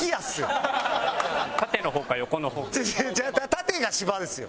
縦が芝ですよ！